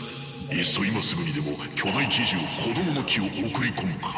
いっそ今すぐにでも巨大奇獣「こどもの樹」を送り込むか。